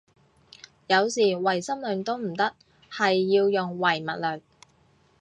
有時唯心論都唔得，係要用唯物論